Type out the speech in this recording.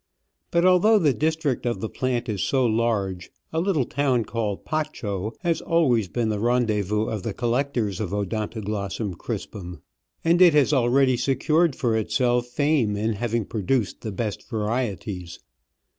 But although the district of the plant is so large, a little town called Pacho has always been the rendez vous of the collectors of Odontoglossum crispum, and it has already secured for itself fame in having produced the best varieties.